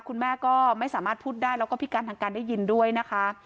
คุณแม่ก็ไม่สามารถพูดได้แล้วก็พิการทางการได้ยินด้วยนะคะ